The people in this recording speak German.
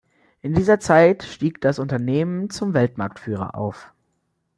In dieser Zeit stieg das Unternehmen zum Weltmarktführer auf.